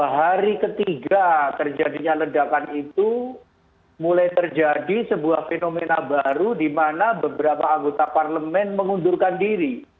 hari ketiga terjadinya ledakan itu mulai terjadi sebuah fenomena baru di mana beberapa anggota parlemen mengundurkan diri